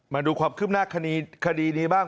มาดูความคืบหน้าคดีนี้บ้าง